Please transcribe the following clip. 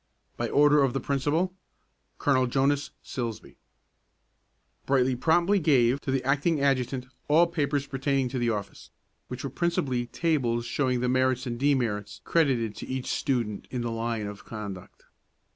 By order of the Principal, Col. JONAS SILSBEE. Brightly promptly gave to the acting adjutant all papers pertaining to the office, which were principally tables showing the merits and demerits credited to each student in the line of conduct.